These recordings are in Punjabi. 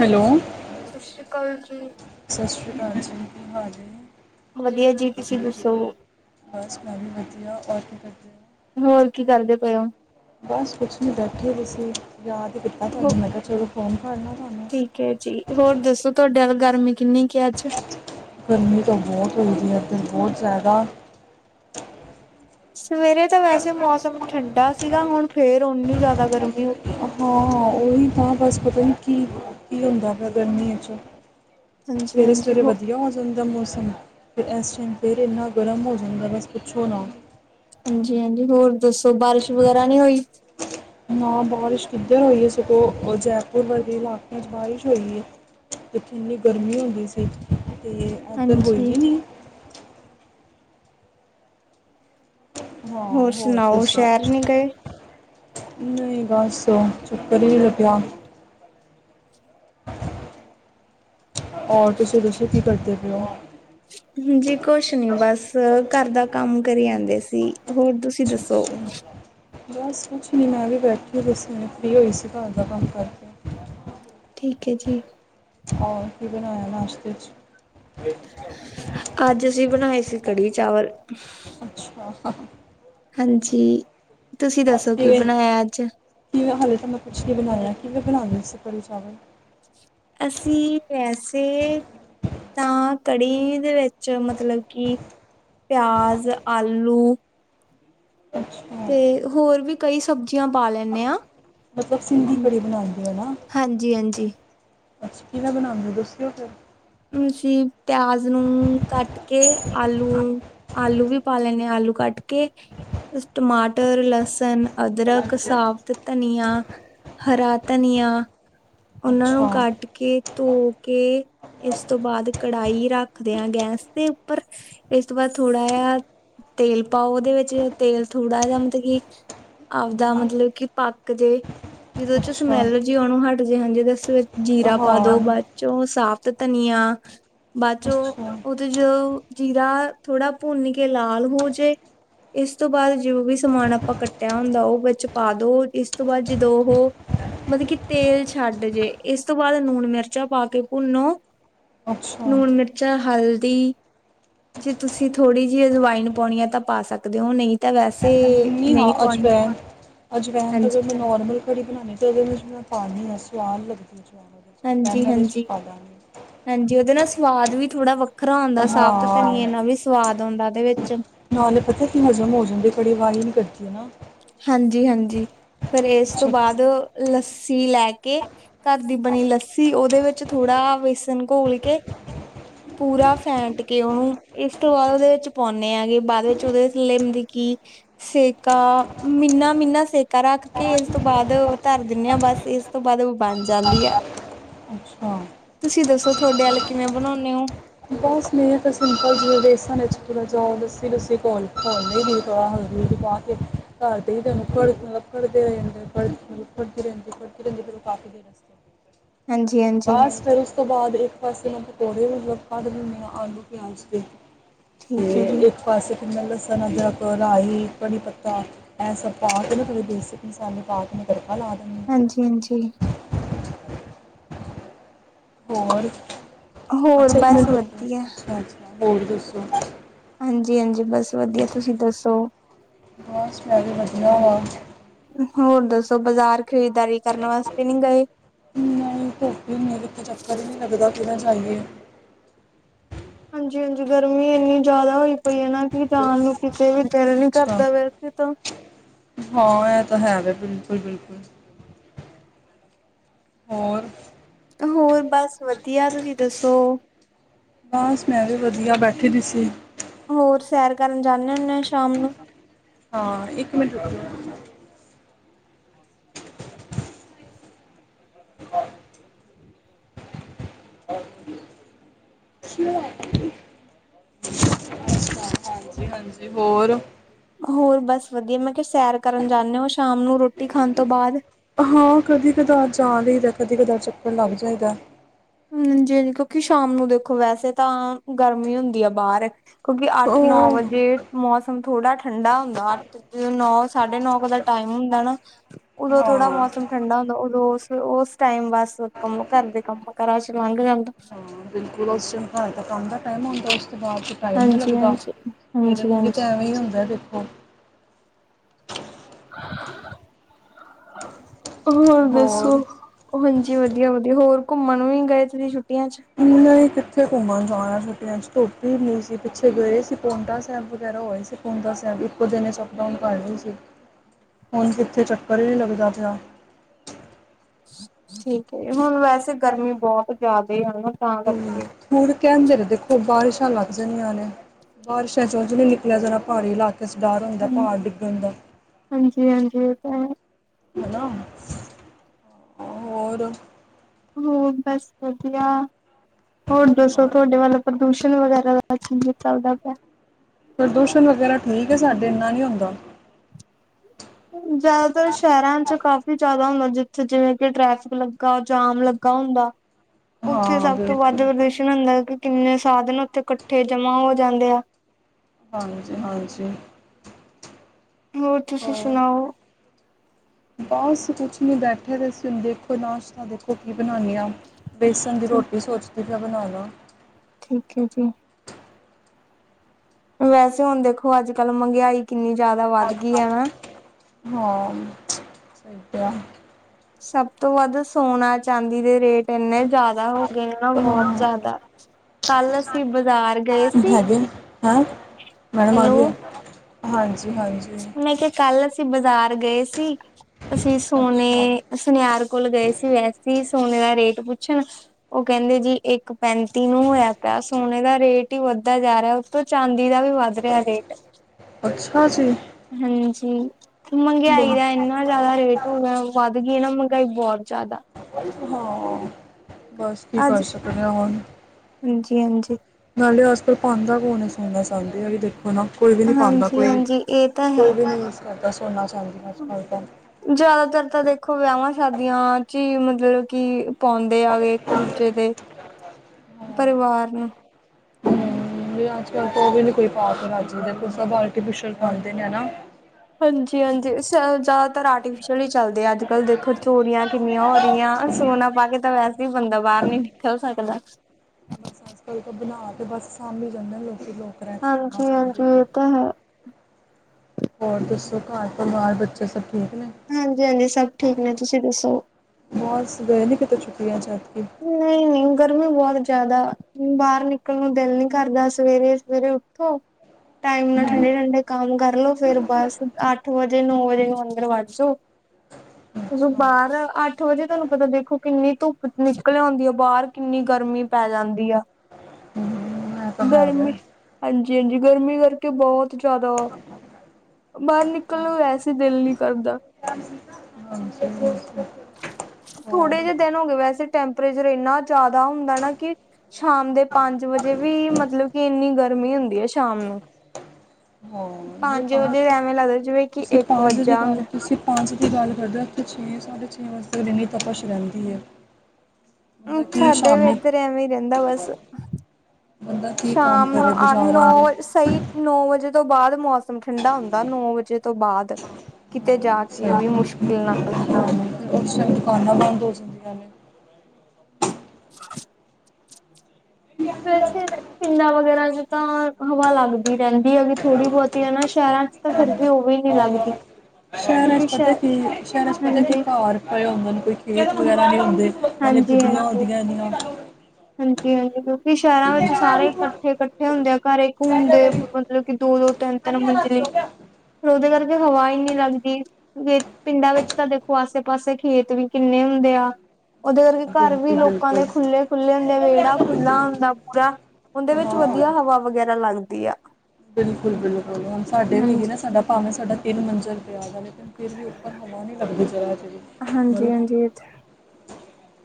ਹੈਲੋ, ਸਤਿ ਸ਼੍ਰੀ ਅਕਾਲ ਜੀ। ਸਤਿ ਸ਼੍ਰੀ ਅਕਾਲ ਜੀ, ਕੀ ਹਾਲ ਐ? ਵਧੀਆ ਜੀ ਤੁਸੀਂ ਦੱਸੋ? ਬਸ ਮੈ ਵੀ ਵਧੀਆ ਔਰ ਵੀ ਵਧੀਆ। ਹੋਰ ਕੀ ਕਰਦੇ ਪਏ ਹੋ? ਬਸ ਕੁਛ ਨੀ ਬੈਠੇ ਹੋਏ ਸੀ। ਯਾਦ ਕੀਤਾ ਹੋ ਤੁਹਾਨੂੰ ਮੈਂ ਕਿਹਾ, ਚਲੋ ਫੋਨ ਕਰ ਲਾ ਤੁਹਾਨੂੰ। ਠੀਕ ਹੈ ਜੀ, ਹੋਰ ਦੱਸੋ ਤੁਹਾਡੇ ਵਲ ਗਰਮੀ ਕਿੰਨੀ ਕੁ ਅੱਜ? ਗਰਮੀ ਤਾਂ ਬਹੋਤ ਹੋਈ ਪਈ ਐ ਇਧਰ ਬਹੋਤ ਜ਼ਿਆਦਾ। ਸਵੇਰੇ ਤਾਂ ਵੈਸੇ ਮੌਸਮ ਠੰਡਾ ਸੀਗਾ। ਹੁਣ ਫੇਰ ਉਨੀ ਜ਼ਿਆਦਾ ਗਰਮੀ ਹੋ ਗਈ। ਹਾਂ- ਹਾਂ ਉਹੀ ਤਾਂ ਬਸ ਪਤਾ ਨੀ ਕੀ- ਕੀ ਹੁੰਦਾ ਪਿਆ ਗਰਮੀਆਂ ਚ। ਹਾਂਜੀ ਸਵੇਰੇ- ਹਾਂਜੀ ਸਵੇਰੇ ਵਧੀਆ ਹੋ- ਹੁੰਦਾ ਦਾ ਮੌਸਮ ਫੇਰ ਇਸ ਟਾਈਮ ਫੇਰ ਇੰਨਾ ਗਰਮ ਹੋ ਜਾਂਦਾ ਬਸ ਪੁੱਛੋ ਨਾ। ਹਾਂਜੀ- ਹਾਂਜੀ ਹੋਰ ਦੱਸੋ ਬਾਰਿਸ਼ ਵਗ਼ੈਰਾ ਨੀ ਹੋਈ? ਨਾ ਬਾਰਿਸ਼ ਕਿੱਧਰ ਹੋਈ ਹੈ। ਸਗੋ ਜੈਪੁਰ ਵਰਗੇ ਇਲਾਕਿਆਂ 'ਚ ਬਾਰਿਸ਼ ਹੋਈ ਐ। ਕਿੰਨੀ ਗਰਮੀ ਹੋ ਗਈ ਸੀ। ਤੇ ਉੱਧਰ ਹੋਈ ਹਾਂਜੀ ਹੀ ਨਹੀਂ। ਹਾਂ ਹੋਰ ਸੁਣਾਓ ਦੱਸੋ ਸ਼ਹਿਰ ਨੀ ਗਏ? ਨਹੀਂ ਬਸ ਚੱਕਰ ਨੀ ਲੱਗਿਆ। ਹੋਰ ਤੁਸੀਂ ਦੱਸੋ ਕੀ ਕਰਦੇ ਪਏ ਹੋ? ਹਜੀ ਕੁਛ ਨੀ ਬਸ ਘਰ ਦਾ ਕੰਮ ਕਰੀ ਜਾਂਦੇ ਸੀ ਹੋਰ ਤੁਸੀਂ ਅੱਛਾ ਦੱਸੋ? ਅੱਛਾ ਬਸ ਕੁਛ ਨੀ ਮੈਂ ਵੀ ਬੈਠੀ ਸੀ। ਫਰੀ ਹੋਈ ਸੀ, ਘਰ ਦਾ ਕੰਮ ਕਰਕੇ। ਠੀਕ ਹੈ ਜੀ। ਹੋਰ ਕੀ ਬਣਾਇਆ ਨਾਸ਼ਤੇ ਚ? ਅੱਜ ਅਸੀਂ ਬਣਾਏ ਸੀ ਕੜੀ ਚਾਵਲ। ਅੱਛਾ ਹਾਂਜੀ, ਤੁਸੀਂ ਦੱਸੋ ਕੀ ਬਣਾਇਆ ਅੱਜ? ਕਿਵੇੈਂ ਹਾਲੇ ਤਾਂ ਮੈਂ ਕੁਛ ਨੀ ਬਣਾਇਆ ਕਿਵੇਂ ਬਨਾਨੇ ਸੀ ਕੜੀ ਚਾਵਲ? ਅਸੀਂ ਵੈਸੇ ਤਾਂ ਕੜੀ ਦੇ ਵਿੱਚ ਮਤਲਬ ਕਿ ਪਿਆਜ਼, ਆਲੂ ਅੱਛਾ। ਤੇ ਹੋਰ ਵੀ ਕਈ ਸਬਜ਼ੀਆਂ ਪਾ ਲੈਨੇ ਆ। ਮਤਲਬ ਸਿੰਧੀ ਕੜੀ ਬਣਾਂਦੇ ਓ ਨਾ ਹਾਂਜੀ, ਹਾਂਜੀ। ਅੱਛਾ! ਕਿਵੇਂ ਬਣਾਉਂਦੇ ਓ ਦੱਸਿਓ ਫਿਰ? ਸ਼ੀ ਪਿਆਜ ਨੂੰ ਕੱਟ ਕੇ ਆਲੂ ਨੂੰ ਆਲੂ ਵੀ ਪਾ ਲੈਨੇ ਆ ਆਲੂ ਕੱਟ ਕੇ ਬਸ ਟਮਾਟਰ, ਲਸਣ ਅਦਰਕ, ਸਾਫਤ ਧਨੀਆ, ਹਰਾ ਧਨੀਆ ਓਨਾਂ ਨੂੰ ਅੱਛਾ ਕੱਟ ਕੇ ਧੋ ਕੇ ਇਸ ਤੋਂ ਬਾਦ ਕੜਾਹੀ ਰੱਖਦੇ ਆ ਗੈਸ ਦੇ ਉੱਪਰ ਇਸ ਤੋਂ ਬਾਦ ਥੋੜਾ ਜਾ ਤੇਲ ਪਾਓ ਓਦੇ ਵਿੱਚ ਤੇਲ ਥੋੜਾ ਜਾ ਮਤਲ ਕਿ ਆਪਦਾ ਮਤਲਬ ਕਿ ਪੱਕ ਜੇ ਜਿਦੋਂ ੳਚੋਂ ਅੱਛਾ ਸਮੈਲ ਜੀ ਆਨੋ ਹਟ ਜੇ ਹਾਂਜੀ ਦਸੋ ਜੀਰਾ ਪਾ ਦੋ ਹਾਂ ਬਾਦ ਚੋ ਸਾਫ ਧਨੀਆਂ। ਬਾਦ ਚੋਂ ਅੱਛਾ ਓਦੇ ਚ ਜੀਰਾ ਥੋੜਾ ਭੁੰਨ ਕੇ ਲਾਲ ਹੋ ਜੇ ਇਸ ਤੋਂ ਬਾਦ ਜੋ ਵੀ ਸਮਾਨ ਆਪਾਂ ਕੱਟਿਆ ਹੁੰਦਾ ਓ ਵਿੱਚ ਪਾ ਦੋ ਇਸ ਤੋਂ ਬਾਦ ਜਦੋਂ ਓਹ ਮਤਲਬ ਕਿ ਤੇਲ ਛੱਡ ਜੇ ਇਸ ਤੋਂ ਬਾਦ ਨੁਨ, ਮਿਰਚਾਂ ਪਾ ਕੇ ਭੁੰਨੋ। ਅੱਛਾ ਨੁੂਨ, ਮਿਰਚਾਂ, ਹਲਦੀ ਜੇ ਤੁਸੀਂ ਥੋੜੀ ਜੀ ਅਜਵੈਨ ਪਾਨੀ ਆ ਤਾਂ ਪਾ ਸਕਦੇ ਓ ਨਈ ਤਾਂ ਵੈਸੇ ਨੀ ਹਾ ਨਹੀਂ ਪਾਉਣੀ ਅਜਵੈਨ, ਅਜਵੈਨ ਦਾ ਹਾਂਜੀ ਕੋਈ ਨੋਰਮਲ ਕੜੀ ਬਨਾਨੀ ਤੇ ਓਦੇ ਵਿੱਚ ਮੈਂ ਪਾਨੀ ਆ ਸਵਾਦ ਲੱਗਦੀ ਜਵੈਨ ਹਾਂਜੀ, ਹਾਂਜੀ, ਹਾਂਜੀ ਓਦੇ ਨਾਲ ਸਵਾਦ ਵੀ ਥੋੜਾ ਵੱ ਖਰਾ ਆਓਂਦਾ ਸਾਬਤ ਧਨੀਏ ਹਾਂ ਨਾ ਵੀ ਸਵਾਦ ਆਉਂਦਾ ਓਦੇ ਵਿੱਚ। ਨਾਲੇ ਪਤਾ ਕੀ ਹਜ਼ਮ ਹੋ ਜਾਂਦੀ ਕੜੀ ਵਾਈ ਨੀ ਕਰਦੀ ਏ ਨਾ। ਹਾਂਜੀ-ਹਾਂਜੀ ਫਿਰ ਇਸ ਤੋਂ ਅੱਛਾ ਬਾਦ ਲੱਸੀ ਲੈ ਕੇ ਘਰ ਦੀ ਬਣੀ ਲੱਸੀ ਓਦੇ ਵਿੱਚ ਥੋੜਾ ਵੇਸਣ ਘੋਲ ਕੇ ਪੂਰਾ ਫੈਂਟ ਕੇ ਓਨੂੰ ਇਸ ਤੋਂ ਬਾਦ ਓਦੇ ਚ ਪਓਨੇ ਆ ਕਿ ਬਾਦ ਚ ਓਦੇ ਵਿੱਚ ਲਿਮ ਵੀ ਕਿ ਸੇਕਾ ਮਿਨਾ-ਮਿਨਾ ਸੇਕਾ ਰੱਖ ਕੇ ਇਸ ਤੋਂ ਬਾਦ ਧਰ ਦਿਨੇ ਆ ਬਸ ਇਸ ਤੋਂ ਬਾਦ ਓ ਬਨ ਜਾਂਦੀ ਆ। [inaudible] ਤੁਸੀਂ ਦੱਸੋ ਤੁਹਾਡੇ ਅਲ ਕਿਵੇਂ ਬਨੋਨੇ ਓ? ਬੋਤ ਸਨੇ ਤੇ ਸਿੰਪਲਜੀ ਏ ਵੇਸਨ ਚ ਪੈਲਾ ਜਾਓ ਲਸੀ-ਲੁਸੀ ਘੋਲ, ਘੋਲ ਲਈ ਦੀ ਏ ਹੋਰ ਹਲਦੀ-ਹੁਲਦੀ ਪਾ ਕੇ ਧੱਰ ਦਈ ਦਾ ਮਕੜ ਮਕੜਦੇ ਰੈਂਦੇ ਕੜ ਕੜਦੀ ਰੈਂਦੀ। ਕੜਦੀ ਰੈਂਦੀ ਫਿਰ ਓ ਪਕ ਗਈ ਰਸ ਹਾਂਜੀ ਤੇ। ਹਾਂਜੀ ਬਸ ਫੇਰ ਉਸ ਤੋਂ ਬਾਦ ਇੱਕ ਪਾਸੇ ਮੈਂ ਪਕੌੜੇ ਮਲਬ ਕੱਢ ਲੈਨੀ ਆਲੂ, ਪਿਆਜ਼ ਦੇ ਠੀਕ ਤੇ ਹੈ ਜੀ ਇੱਕ ਇੱਕ ਪਾਸੇ ਬੰਦਾ ਲਸਨ, ਅਦਰਕ ਰਾਈ, ਕੜੀਪੱਤਾ ਐ ਸਬ ਪਾਕੇ ਨਾ ਥੋੜੇ ਬੇਸਿਕ ਮਸਾਲੇ ਪਾ ਕੇ ਓਨੂ ਤੜਕਾ ਲਾ ਦੇਨਾ। ਹਾਂਜੀ-ਹਾਂਜੀ। ਹੋਰ ਹੋਰ ਅੱਛਾ ਇੱਕ ਬਸ ਮਿੰਟ ਰੁਕੋ ਵਧੀਆ। ਅੱਛਾ ਅੱਛਾ ਹੋਰ ਦੱਸੋ? ਹਾਂਜੀ-ਹਾਂਜੀ ਬਸ ਵਦੀਆ ਤੁਸੀਂ ਦੱਸੋ? ਬਸ ਮੈ ਵੀ ਵਧੀਆ ਵਆ। ਹੋਰ ਦੱਸੋ ਬਾਜ਼ਾਰ ਖਰੀਦਦਾਰੀ ਕਰਨ ਵਾਸਤੇ ਨੀ ਗਏ? ਇਨਾ ਧੁੱਪ ਇਕਿਤੇ ਚੱਕਰ ਹੀ ਨਹੀਂ ਲੱਗਦਾ ਕਿਤੇ ਜਾਈਏ। ਹਾਂਜੀ- ਹਾਂਜੀ। ਗਰਮੀ ਇੰਨੀ ਜ਼ਿਆਦਾ ਹੋਈ ਪਈ ਹੈ ਨਾ। ਜਾਣ ਨੂੰ ਕਿਤੇ ਵੀ ਦਿਲ ਨੀ ਅੱਛਾ ਕਰਦਾ ਵੈਸੇ ਤਾਂ। ਹਾਂ ਇਹ ਤਾਂ ਹੈ ਵ ਬਿਲਕੁਲ- ਬਿਲਕੁਲ। ਹੋਰ ਹੋਰ ਬਸ ਵਧੀਆ ਤੁਸੀਂ ਦੱਸੋ? ਬਸ ਮੈਂ ਵੀ ਵਧੀਆ, ਬੈਠੀ ਦੀ ਸੀ। ਹੋਰ, ਸੈਰ ਕਰਨ ਜਾਂਦੇ ਹੁੰਦੇ ਆ ੳ ਸ਼ਾਮ ਨੂੰ। ਹਾਂ, ਇੱਕ ਮਿੰਟ ਰੁੱਖ ਹਾਂਜੀ ਹਾਂਜੀ, ਹੋਰ ਹੋਰ ਬਸ ਵਧੀਆ ਮੈਂ ਕਿਹਾ ਸੈਰ ਕਰਨ ਜਾਂਦੇ ਹੋ ਸ਼ਾਮ ਨੂੰ ਰੋਟੀ ਖਾਣ ਤੋਂ ਬਾਅਦ। ਹਾਂ, ਕਦੀ- ਕਦਾਰ ਜਾ ਲਈਦਾ ਕਦੀ- ਕਦਾ ਚੱਕਰ ਲੱਗ ਜਾਈਦਾ। ਹ ਜੀ ਕਿਉਂਕਿ ਸ਼ਾਮ ਨੂੰ ਦੇਖੋ ਵੈਸੇ ਤਾਂ, ਗਰਮੀ ਹੁੰਦੀ ਆ ਬਾਹਰ। ਕਿਉਂਕਿ ਅੱਠ- ਉਹ ਨੌ ਹਾਂ ਵਜੇ ਮੌਸਮ ਥੋੜਾ ਠੰਢਾ ਹੁੰਦਾ, ਅੱਠ- ਨੌ ਸਾਢੇ -ਨੌ ਕੁ ਦਾ ਟਾਈਮ ਹੁੰਦਾ ਨਾ। ਉਦੋਂ ਥੋੜਾ ਹਾਂ ਮੌਸਮ ਠੰਡਾ ਹੁੰਦਾ। ਉਦ ਉਸ ਟਾਈਮ ਬਸ ਕੰਮ ਕਰਦੇ ਕੰਮ ਘਰਾਂ ਚ' ਲੰਘ ਜਾਂਦਾ। ਬਿਲਕੁਲ ਉਸ ਤੱਕ ਆਉ ਦਾ ਟਾਈਮ ਆਦਾ ਉਸ ਤੋਂ ਬਾਅਦ ਟਾਈਮ ਨਹੀਂ ਹਾਂਜੀ ਲੱਗਦਾ। ਹਾਂਜੀ ਮੇਰੇ ਹਾਂਜੀ ਨਾਲ ਹਾਂਜੀ ਵੀ ਤਾਂ ਐਵੇਂ ਹੀ ਹੁੰਦਾ ਦੇਖੋ। ਹੋਰ ਦੱਸੋ? ਉਹ ਹਾਂਜੀ ਵਧੀਆ- ਵਧੀਆ ਹੋਰ ਘੁੰਮਣ ਨਹੀਂ ਗਏ ਤੁਸੀਂ ਛੁੱਟੀਆਂ 'ਚ। ਨਹੀਂ ਹੀ ਕਿੱਥੇ ਘੁੰਮਣ ਜਾਣਾ ਛੁੱਟੀਆਂ 'ਚ ਧੁੱਪ ਹੀ ਇੰਨੀ ਸੀ ਪਿੱਛੇ ਗਏ ਸੀ ਪੋਂਡਾ ਸਾਹਿਬ ਵਗੈਰਾ ਹੋਏ ਸੀ। ਪੋਂਡਾ ਸਾਹਿਬ ਇੱਕੋ ਦਿਨ 'ਚ ਅੱਪਡਾਊਨ ਕਰ ਲਈ ਸੀ। ਹੁਣ ਕਿੱਥੇ ਚੱਕਰ ਨਹੀਂ ਲੱਗਦਾ ਪਿਆ। ਠੀਕ ਹੈ ਜੀ। ਹੁਣ ਵੈਸੇ ਗਰਮੀ ਬਹੁਤ ਜ਼ਿਆਦਾ ਆ ਨਾ ਤਾਂ ਹੂੰ ਕਰਕੇ। ਹੁਣ ਕਹਿੰਦੇ ਨੇ ਦੇਖੋ ਬਾਰਿਸ਼ਾਂ ਲੱਗ ਜਾਣੀਆਂ ਨੇ ਬਾਰਿਸ਼ਾਂ ਚੋਂ ਉਂਝ ਨਹੀਂ ਨਿਕਲਿਆ ਜਾਣਾ ਪਹਾੜੀ ਇਲਾਕੇ। ਕਿਸ ਡਰ ਹੁੰਦਾ ਪਹਾੜ ਡਿੱਗਣ ਦਾ। ਹਾਂਜੀ- ਹਾਂਜੀ। ਇਹ ਤਾਂ ਹੈ। ਹਨਾ। ਹੋਰ ਹੋਰ ਬਸ ਵਧੀਆ, ਹੋਰ ਦੱਸੋ ਤੁਹਾਡੇ ਵੱਲ। ਪ੍ਰਦੂਸ਼ਣ ਵਗੈਰਾ ਦਾ ਕਿਵੇਂ ਚੱਲਦਾ ਪਿਆ? ਪ੍ਰਦੂਸ਼ਣ ਵਗੈਰਾ ਠੀਕ ਹੈ। ਸਾਡੇ ਇੰਨਾ ਨਹੀਂ ਹੁੰਦਾ। ਜ਼ਿਆਦਾਤਰ ਸ਼ਹਿਰਾਂ 'ਚ। ਕਾਫੀ ਜ਼ਿਆਦਾ ਹੁੰਦਾ ਜਿੱਥੇ ਜਿਵੇਂ ਕਿ ਟ੍ਰੈਫਿਕ ਲੱਗਾ ਜਾਮ ਲੱਗਾ ਹੁੰਦਾ। ਉੱਥੇ ਹਾਂ ਸਭ ਤੋਂ ਵੱਧ ਬਿਲਕੁਲ ਪ੍ਰਦੂਸ਼ਣ ਹੁੰਦਾ ਕਿ ਕਿੰਨੇ ਸਾਧਨ ਉੱਥੇ ਇਕੱਠੇ ਜਮਾਂ ਹੋ ਜਾਂਦੇ ਆ। ਹਾਂਜੀ- ਹਾਂਜੀ। ਹੋਰ ਤੁਸੀਂ ਹੋਰ ਸੁਣਾਓ? ਬਸ ਕੁਛ ਨੀ ਬੈਠੇ ਦੇ ਸੀ ਹੁਣ ਦੇਖੋ ਨਾਸ਼ਤਾ ਦੇਖੋ। ਵੀ ਕੀ ਬਣਾਉਣੀ ਹਾਂ। ਬੇਸਣ ਦੀ ਰੋਟੀ ਸੋਚਦੀ ਪਈ ਆਂ ਬਣਾ ਲਾ। ਠੀਕ ਹੈ ਜੀ। ਵੈਸੇ ਹੁਣ ਦੇਖੋ ਅੱਜ ਕੱਲ ਮਹਿੰਗਾਈ ਕਿੰਨੀ ਜ਼ਿਆਦਾ ਵੱਧ ਗਈ ਹੈ ਨਾ। ਹਾਂ। ਸਹੀ ਕਿਹਾ। ਸਭ ਤੋਂ ਵੱਧ ਸੋਨਾ- ਚਾਂਦੀ ਦੇ ਰੇਟ ਇੰਨੇ ਜ਼ਿਆਦਾ ਹੋ ਗਏ ਨਾ ਬਹੁਤ ਹਾਂ ਜ਼ਿਆਦਾ। ਕੱਲ ਅਸੀਂ ਬਾਜ਼ਾਰ ਗਏ ਸੀ। ਹੈਗੇ ਹੈਂ ਮੈਡਮ ਆ ਹੈਲੋ ਗਈ ਆ। ਹਾਂਜੀ, ਹਾਂਜੀ। ਮੈਂ ਕਿਹਾ ਕੱਲ ਅਸੀਂ ਬਾਜ਼ਾਰ ਗਏ ਸੀ, ਅਸੀਂ ਅੱਛਾ ਸੋਨੇ ਸੁਨਿਆਰ ਕੋਲ ਗਏ ਸੀ, ਵੈਸੇ ਸੋਨੇ ਦਾ ਰੇਟ ਪੁੱਛਣ। ਉਹ ਕਹਿੰਦੇ ਜੀ, ਇੱਕ ਪੈਂਤੀ ਨੂੰ ਹੋਇਆ ਪਿਆ ਸੋਨੇ ਦਾ ਰੇਟ ਹੀ ਵੱਧਦਾ ਜਾ ਰਿਹਾ। ਉੱਤੋਂ ਚਾਂਦੀ ਦਾ ਵੀ ਵੱਧ ਰਿਹਾ ਰੇਟ। ਅੱਛਾ ਜੀ! ਹਾਂਜੀ। ਮਹਿੰਗਾਈ ਦਾ ਬਸ ਏਨਾਂ ਜ਼ਿਆਦਾ ਰੇਟ ਹੋ ਗਿਆ ਵੱਧ ਗਈ ਨਾ ਮਹਿੰਗਾਈ, ਬਹੁਤ ਜ਼ਿਆਦਾ। ਹਾਂ, ਬਸ ਕੀ ਅੱਜ ਕਰ ਸਕਦੇ ਹਾਂ ਹੁਣ। ਹਾਂਜੀ, ਹਾਂਜੀ। ਨਾਲ਼ੇ ਅੱਜ -ਕਲ ਪਾਂਦਾ ਕੋਣ ਐ ਸੋਨਾ-ਚਾਂਦੀ ਐ ਵੀ ਤੇ ਹਨਾ, ਕੋਈ ਵੀ ਨਹੀਂ ਪਾਂਦਾ, ਹਾਂਜੀ ਕੋਈ- ਹਾਂਜੀ ਇਹ ਤਾਂ ਕੋਈ ਹੈ ਵੀ ਨਹੀਂ ਯੂਜ ਕਰਦਾ ਸੋਨਾ- ਚਾਂਦੀ ਅੱਜ ਕੱਲ ਤਾਂ। ਜ਼ਿਆਦਾਤਰ ਤਾਂ ਦੇਖੋ ਵਿਆਹਾਂ ਸ਼ਾਦੀਆਂ 'ਚ ਹੀ ਮਤਲਬ ਕੀ ਪਾਉਂਦੇ ਆ ਗਏ ਇੱਕ ਦੂਜੇ ਦੇ। ਸਹੀ ਗੱਲ ਹੈ। ਪਰਿਵਾਰ ਨੂੰ। ਨਹੀਂ ਅੱਜ -ਕੱਲ ਤੋਂ ਉਹ ਵੀ ਨੀ ਕੋਈ ਪਾ ਕੇ ਰਾਜ਼ੀ, 'ਦੇਖੋ ਸਭ ਆਰਟੀਫਿਸ਼ਲ ਪਾਂਦੇ ਨੇ ਹਨਾ। ਹਾਂਜੀ, ਹਾਂਜੀ। ਜ਼ਿਆਦਾਤਰ ਆਰਟੀਫਿਸ਼ਲ ਹੀ ਚਲਦੇ ਆ। ਅੱਜ- ਕੱਲ ਦੇਖੋ ਚੋਰੀਆਂ ਕਿੰਨੀਆਂ ਹੋ ਰਹੀਆਂ। ਸੋਨਾ ਪਾ ਕੇ ਤਾਂ ਵੈਸੇ ਹੀ ਬੰਦਾ ਬਾਰ ਨੀ ਨਿਕਲ ਸਕਦਾ। ਬਸ ਅਜ -ਕੱਲ ਤਾਂ ਬਣਾ ਤੇ ਬਸ ਸਾਂਭੀ ਜਾਂਦੇ ਲੋਕੀਂ ਤੋਂ। ਹਾਂਜੀ, ਹਾਂਜੀ ਇਹ ਤਾਂ ਹੈ। ਹੋਰ ਦੱਸੋ, ਘਰ ਪਰਿਵਾਰ ਬੱਚੇ ਸਭ ਠੀਕ ਨੇ? ਹਾਂਜੀ, ਹਾਂਜੀ ਸਭ ਠੀਕ ਨੇ, ਤੁਸੀਂ ਦੱਸੋ? ਬਸ, ਗਏ ਨੀ ਕਿਤੇ ਛੁੱਟੀਆਂ 'ਚ ਐਤਕੀਂ? ਨਹੀਂ, ਨਹੀਂ ਗਰਮੀ ਬਹੁਤ ਜਾਦਾ, ਬਾਰ ਨਿਕਲਣ ਨੂੰ ਦਿਲ ਨਹੀਂ ਕਰਦਾ, ਸਵੇਰੇ -ਸਵੇਰੇ ਉੱਠੋ। ਟਾਈਮ ਨਾਲ ਠੰਡੇ, ਠੰਡੇ ਕੰਮ ਕਰਲੋ। ਫੇਰ ਬਸ ਅੱਠ ਵਜੇ ਨੌ ਵਜੇ ਨੂੰ ਅੰਦਰ ਵੜਜੋ। ਹ [unintelligible] ਹੁਣ ਬਾਰ ਅੱਠ ਵਜੇ ਤੁਹਾਨੂੰ ਪਤਾ, 'ਦੇਖੋ ਕਿੰਨੀ ਧੁੱਪ ਨਿਕਲ ਆਉਂਦੀ ਆ ਬਾਰ, ਕਿੰਨੀ ਗਰਮੀ ਪੈ ਜਾਂਦੀ ਆ। ਹਮ ਇਹ ਤਾਂ ਹੈ ਵੇ ਗਰਮੀ, ਹਾਂਜੀ -ਹਾਂਜੀ ਗਰਮੀ ਕਰਕੇ ਬਹੁਤ ਜ਼ਿਆਦਾ ਬਾਰ ਨਿਕਲਣ ਨੂੰ ਵੈਸੇ ਦਿਲ ਨਹੀਂ ਕਰਦਾ। ਹਾਂਜੀ। ਹਾਂਜੀ, ਹਾਂਜੀ। ਥੋੜੇ ਜਿਹੇ ਦਿਨ ਹੋ ਗਏ ਵੈਸੇ ਟੈਂਪਰੇਚਰ ਇੰਨਾ ਜ਼ਿਆਦਾ ਹੁੰਦਾ ਨਾ ਕਿ ਸ਼ਾਮ ਦੇ ਪੰਜ ਵਜੇ ਵੀ, ਮਤਲਬ ਕਿ ਇੰਨੀ ਗਰਮੀ ਹੁੰਦੀ ਹੈ ਸ਼ਾਮ ਨੂੰ। ਹਉ ਨਹੀ ਪੰਜ ਪਾਂਚ, ਵਜੇ ਐਵੇਂ ਲੱਗਦਾ ਜਿਵੇਂ ਕਿ ਤੁਸੀਂ ਇੱਕ ਪੰਜ ਦੀ ਵੱਜਾ ਗ ਹੁੰਦਾ ਤੁਸੀਂ ਪੰਜ ਦੀ ਗੱਲ ਕਰਦੇ ਓ, ਇਥੇ ਛੇ- ਸਾਢੇ ਛੇ ਵਜੇ ਏਨੀ ਤਪਸ਼ ਰਹਿੰਦੀ ਐ। ਅ ਸਾਡੇ ਵੀ ਇਧਰ ਏਵੇਂ ਰਹਿੰਦਾ ਬਸ। ਬੰਦਾ ਕੀ ਕੰਮ ਸ਼ਾਮ ਨੂੰ ਕਰੇ ਆ ਬਾਜ਼ਾਰਾਂ ਦੇ ਨੌ ਸਹੀ ਨੌ ਵਜੇ ਤੋਂ ਬਾਅਦ ਮੌਸਮ ਠੰਡਾ ਹੁੰਦਾ, ਨੌ ਵਜੇ ਤੋਂ ਬਾਅਦ। ਕਿਤੇ ਜਾ ਕੇ ਉਹ ਵੀ ਮੁਸ਼ਕਿਲ ਨਾਲ। ਓਸ ਟਾਈਮ, ਦੁਕਾਨਾਂ ਬੰਦ ਹੋ ਜਾਂਦੀਆਂ ਨੇ। ਹਾਂ [unintelligible] ਵੈਸੇ ਪਿੰਡਾਂ ਵਗੈਰਾ ਚ ਤਾਂ ਹਵਾ ਲੱਗਦੀ ਰਹਿੰਦੀ ਐ ਕੀ ਥੋੜੀ ਬਹੁਤੀ ਹੈ ਨਾ, ਸ਼ਹਿਰਾਂ 'ਚ ਤਾਂ ਫਿਰ ਵੀ ਓਵੇ ਨੀ ਲੱਗਦੀ। ਸ਼ੈਰਾਂ ਚ ਕਿਉਂਕਿ ਪਤਾ ਸ਼ਹਿਰ ਕੀ ਸ਼ੈਰਾਂ ਚ ਪਤਾ ਕੀ ਹਾਂਜੀ ਘਰ ਪਏ ਹੁੰਦੇ ਨੇ ਕੋਈ ਖੇਤ ਵਗੈਰਾ ਨਈਂ ਹੁੰਦੇ। ਪੈਲੇ ਗੱਡੀਆਂ ਹੁੰਦੀਆਂ ਏਨੀਆ ਹਾਂਜੀ-ਹਾਂਜੀ ਕਿਉਂਕਿ ਸ਼ੈਰਾਂ ਵਿੱਚ ਸਾਰੇ ਇਕੱਠੇ-ਇਕੱਠੇ ਹੁੰਦੇ ਆ ਘਰੇ ਘੁੰਮਦੇ ਮਤਲਬ ਕਿ ਦੋ-ਦੋ, ਤਿੰਨ-ਤਿੰਨ ਮੰਜਲੇ, ਫੇਰ ਓਦੇ ਕਰਕੇ ਹਵਾ ਈ ਨੀ ਲੱਗਦੀ। ਤੇ ਪਿੰਡਾਂ ਵਿੱਚ ਤਾਂ ਦੇਖੋ ਆਸੇ-ਪਾਸੇ ਖੇਤ ਵੀ ਕਿੰਨੇ ਹੁੰਦੇ ਆ। ਓਦੇ ਕਰਕੇ ਘਰ ਵੀ ਲੋਕਾਂ ਦੇ ਖੁੱਲੇ ਖੁੱਲੇ ਹੁੰਦੇ ਆ ਵੇੜਾ ਖੁੱਲਾ ਹੁੰਦਾ ਪੂਰਾ, ਓਦੇ ਬਿਲਕੁਲ ਵਿੱਚ ਵਦੀਆ ਹਵਾ ਵਗੈਰਾ ਲੱਗਦੀ ਆ। ਬਿਲਕੁਲ-ਬਿਲਕੁਲ ਹੁਨ ਸਾਡੇ ਵੀ ਹੈਗੇ ਨਾ ਹਾਂਜੀ ਸਾਡਾ ਭਾਵੇਂ ਸਾਡਾ ਤਿੰਨ ਮੰਜ਼ਲ ਤੇ ਆ ਜਾ ਲੇਕਿਨ ਫੇਰ ਵੀ ਉਪਰ ਹਵਾ ਨੀ ਲੱਗਦੀ ਜ਼ਰਾ ਜੀ ਵੀ ਹਾਂਜੀ-ਹਾਂਜੀ।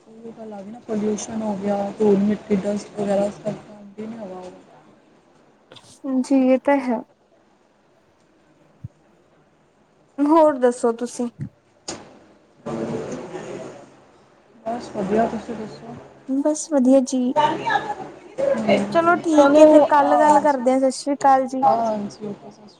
ਓਹੀ ਗੱਲ ਆ ਗੀ ਨਾ ਪੋਲਿਊਸ਼ਨ ਹੋ ਗਿਆ, ਧੂਲ ਮਿੱਟੀ, ਡਸਟ ਵਗੈਰਾ ਸਬ ਹਾਂਜੀ ਨਵਾਂ ਓ ਹਾਂਜੀ ਏ ਤਾਂ ਹੈ। ਹੋਰ ਦੱਸੋ ਤੁਸੀਂ? ਬਸ ਵਦੀਆ, ਤੁਸੀਂ ਦੱਸੋ? ਬਸ ਵਧੀਆ ਜੀ ਚਲੋ ਠੀਕ ਹੈ ਸੋਨੂੰ ਫਿਰ ਕੱਲ ਗੱਲ ਕਰਦੇ ਆ ਸਤਿ ਸ੍ਰੀ ਅਕਾਲ ਜੀ ਅ [inaudible]